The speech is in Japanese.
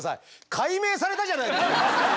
解明されたじゃないですか！